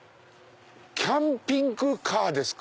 キャンピングカーですか？